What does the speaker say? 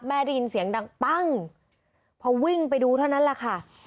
ได้ยินเสียงดังปั้งพอวิ่งไปดูเท่านั้นแหละค่ะ